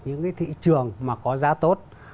những cái thị trường mà có giá tốt